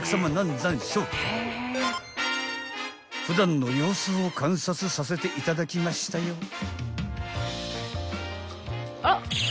［普段の様子を観察させていただきましたよ］